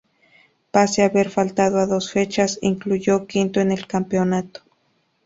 Pese a haber faltado a dos fechas, concluyó quinto en el campeonato.